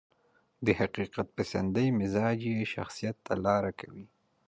د حقيقت پسندي مزاج يې شخصيت ته لاره کوي.